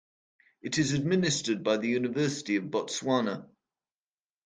It is administered by the University of Botswana.